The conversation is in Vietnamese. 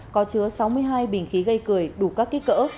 có chứa sáu mươi hai bình khí gây cười đủ các kích cỡ